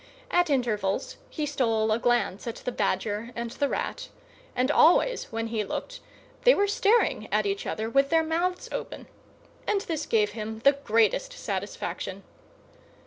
At intervals he stole a glance at the Badger and the Rat, and always when he looked they were staring at each other with their mouths open; and this gave him the greatest satisfaction.